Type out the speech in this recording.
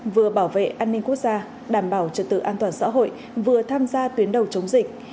vừa bảo vệ an ninh quốc gia đảm bảo trật tự an toàn xã hội vừa tham gia tuyến đầu chống dịch